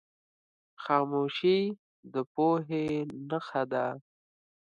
خاموشي، د پوهې نښه ده.